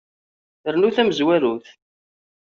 Rnu tamezwarut.